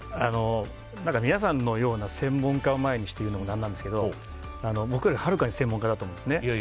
皆さんのような専門家を前にして言うのもなんなんですけど僕よりはるかに専門家だと思うんですね。